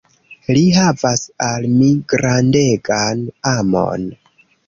Li havas al mi grandegan amon.